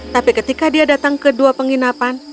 tapi ketika dia datang ke dua penginapan